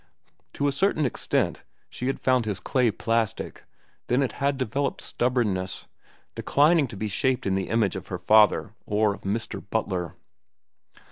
To a certain extent she had found his clay plastic, then it had developed stubbornness, declining to be shaped in the image of her father or of Mr. Butler.